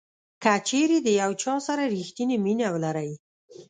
کچیرې د یو چا سره ریښتینې مینه ولرئ.